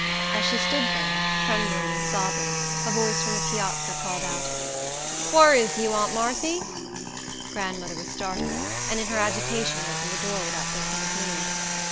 As she stood there, trembling and sobbing, a voice from the piazza called out, "Whar is you, aunt Marthy?" Grandmother was startled, and in her agitation opened the door, without thinking of me.